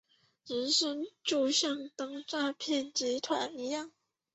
人生就像当诈骗集团一样